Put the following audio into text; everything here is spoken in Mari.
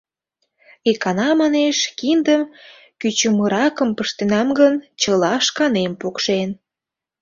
Икана, манеш, киндым кӱчымыракым пыштенам гын, чыла шканем пукшен.